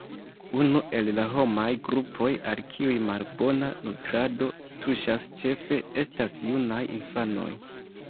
Unu el la homaj grupoj al kiuj malbona nutrado tuŝas ĉefe estas junaj infanoj.